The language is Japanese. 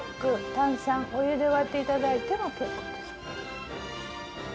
炭酸お湯で割って頂いても結構です。